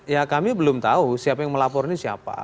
ya kami belum tahu siapa yang melapor ini siapa